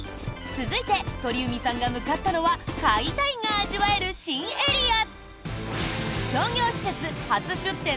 続いて、鳥海さんが向かったのは「買いたい」が味わえる新エリア。